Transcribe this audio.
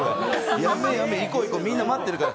やめ、やめ、みんな待ってるから。